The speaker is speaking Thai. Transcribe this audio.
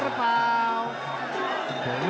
อะไรเขือขึ้นหรือเปล่า